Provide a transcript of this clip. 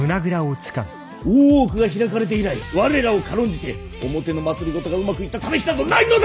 大奥が開かれて以来我らを軽んじて表の政がうまくいったためしなどないのだぞ！